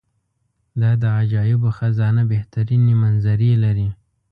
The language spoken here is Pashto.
دا د عجایبو خزانه بهترینې منظرې لري.